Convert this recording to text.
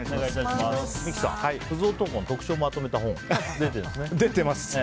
三木さん、クズ男の特徴をまとめた本が出てます。